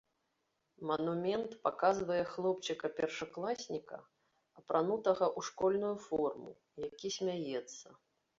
Манумент паказвае хлопчыка-першакласніка, апранутага ў школьную форму, які смяецца.